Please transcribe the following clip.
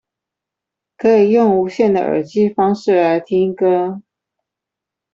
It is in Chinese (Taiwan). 可以用無線的耳機方式來聽歌